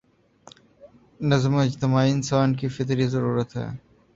نظم اجتماعی انسان کی فطری ضرورت ہے۔